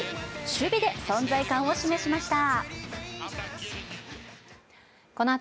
守備で存在感を示しました。